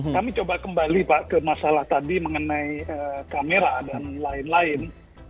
kami coba kembali pak ke masalah tadi mengenai kamera dan lain lain